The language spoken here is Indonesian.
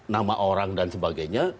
nama orang dan sebagainya